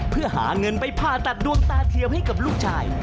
เพื่อหาเงินไปผ่าตัดดวงตาเทียมให้กับลูกชาย